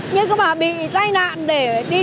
nhưng có mà bị tai nạn để đi đi phòng